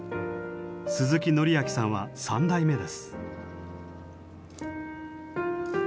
鈴木典明さんは３代目です。